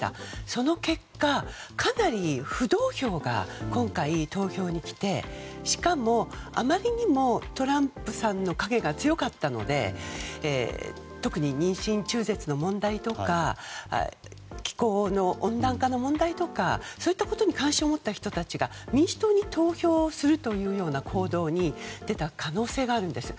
その結果、かなり浮動票が今回、投票に来てしかも、あまりにもトランプさんの影が強かったので特に妊娠中絶の問題とか気候、温暖化の問題とかに関心を持った人が民主党に投票するというような行動に出た可能性があるんです。